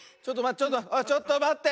ちょっとまって。